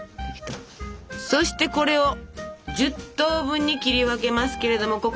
そしてこれを１０等分に切り分けますけれども。